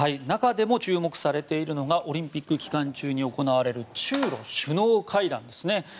中でも注目されているのはオリンピック期間中に行われる中ロ首脳会談です。